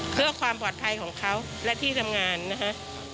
เพื่อความปลอดภัยของเขาและที่ทำงานนะฮะ